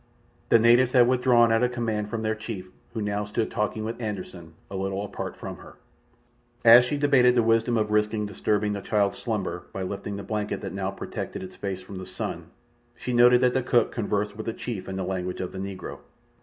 The natives had withdrawn at a command from their chief, who now stood talking with Anderssen, a little apart from her. As she debated the wisdom of risking disturbing the child's slumber by lifting the blanket that now protected its face from the sun, she noted that the cook conversed with the chief in the language of the Negro.